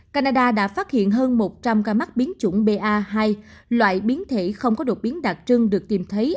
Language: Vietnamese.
canada đã phát hiện hơn một trăm linh ca mắc biến chủng ba loại biến thể không có đột biến đặc trưng được tìm thấy